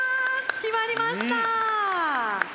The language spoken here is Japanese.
きまりました。